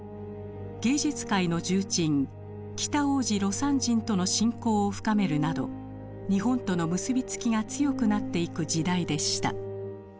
芸術界の重鎮北大路魯山人との親交を深めるなど日本との結び付きが強くなっていく時代でした。